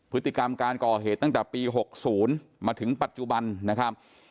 พฤติกรรมการก่อเหตุตั้งแต่ปี๖๐มาถึงปัจจุบันนะครับ